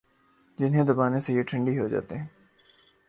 ۔ جنہیں دبانے سے یہ ٹھنڈی ہوجاتے ہیں۔